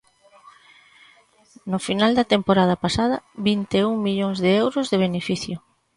No final da temporada pasada, vinte e un millóns de euros de beneficio.